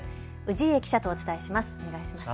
氏家記者とお伝えします。